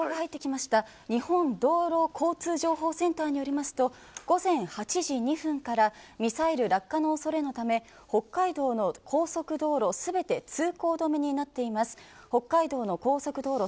日本道路交通情報センターによりますと、午前８時２分からミサイル落下の恐れのため北海道の高速道路全て通行止めになっています。